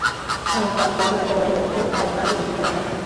বালু খুঁড়ে ছোট্ট একটি জলাশয় বানিয়েছে খেলার ছলে দুই খেলার সাথি।